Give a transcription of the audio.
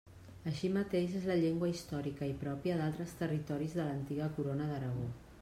Així mateix és la llengua històrica i pròpia d'altres territoris de l'antiga Corona d'Aragó.